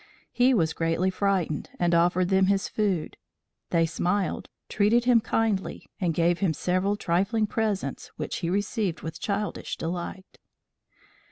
He was greatly frightened and offered them his food. They smiled, treated him kindly and gave him several trifling presents which he received with childish delight.